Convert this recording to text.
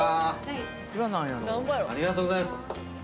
ありがとうございます。